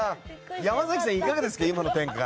山崎さん、いかがですかこの展開。